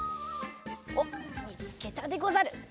おっみつけたでござる。